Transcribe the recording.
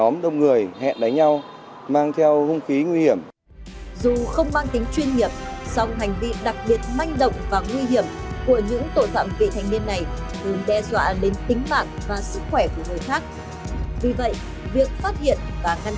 mang theo một kính nguy hiểm của ức giấc đau vò chai thủy tinh